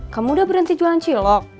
kamu udah berhenti jualan cilok